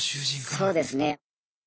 そうですね。